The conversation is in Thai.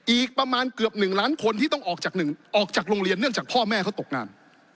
อีกประมาณเกือบ๑ล้านคนที่ต้องออกจากออกจากโรงเรียนเนื่องจากพ่อแม่เขาตกงาน